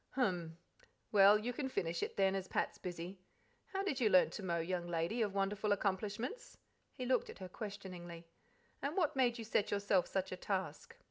"Hum! Well, you can finish it then, as Pat's busy. How did you learn to mow, young lady of wonderful accomplishments?" (he looked at her questioningly); "and what made you set yourself such a task?"